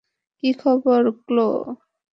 কী খবর, ক্লো।